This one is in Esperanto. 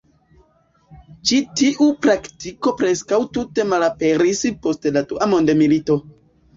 Ĉi tiu praktiko preskaŭ tute malaperis post la dua mondmilito.